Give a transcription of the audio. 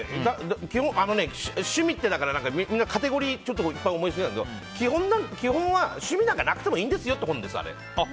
趣味ってだからカテゴリーがいっぱい思いつくけど基本は趣味なんかなくてもいいですよってことです。